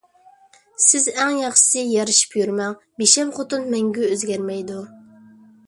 سىز ئەڭ ياخشىسى يارىشىپ يۈرمەڭ، بىشەم خوتۇن مەڭگۈ ئۆزگەرمەيدۇ.